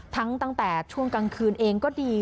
ตั้งแต่ช่วงกลางคืนเองก็ดี